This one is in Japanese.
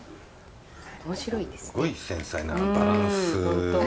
面白いですね。